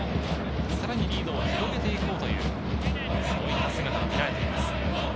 さらにリードを広げて行こうというそういった姿が見られています。